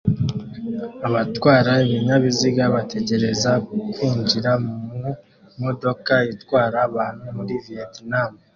Abatwara ibinyabiziga bategereza kwinjira mu modoka itwara abantu muri Vietnam